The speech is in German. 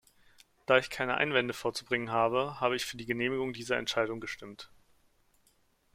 Da ich keine Einwände vorzubringen habe, habe ich für die Genehmigung dieser Entscheidung gestimmt.